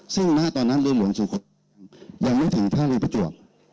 ซึ่งหน้าตอนนั้นเรือหลวงสุโขทัยยังไม่ถึงท่าเรือประจวบ